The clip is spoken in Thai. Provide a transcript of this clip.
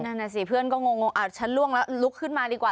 นั่นน่ะสิเพื่อนก็งงอ่ะฉันล่วงแล้วลุกขึ้นมาดีกว่า